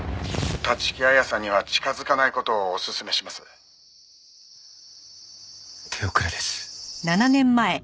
「立木彩さんには近づかない事をおすすめします」手遅れです。